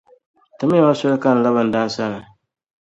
timiya ma soli ka n labi n dan’ sani.